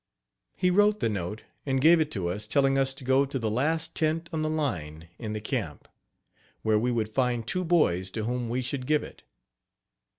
He wrote the note, and gave it to us, telling us to go to the last tent on the line in the camp, where we would find two boys to whom we should give it.